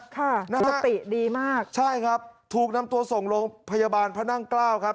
ค่ะสติดีมากใช่ครับถูกนำตัวส่งโรงพยาบาลพระนั่งเกล้าครับ